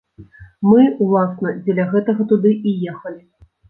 Мы, уласна, дзеля гэтага туды і ехалі.